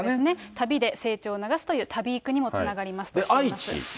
旅で成長を促すという旅育にもつながりますとしています。